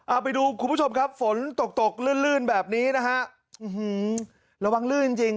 อ่าไปดูคุณผู้ชมครับฝนตกตกลื่นลื่นแบบนี้นะฮะอื้อหือระวังลื่นจริง